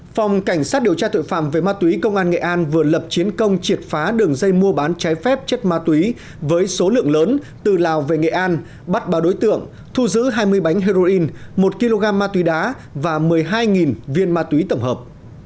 phòng cảnh sát điều tra tội phạm về ma túy công an nghệ an vừa lập chiến công triệt phá đường dây mua bán trái phép chất ma túy với số lượng lớn từ lào về nghệ an bắt ba đối tượng thu giữ hai mươi bánh heroin một kg ma túy đá và một mươi hai viên ma túy tổng hợp